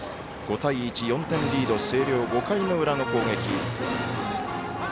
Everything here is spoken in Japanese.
５対１、４点リードの星稜５回の裏の攻撃。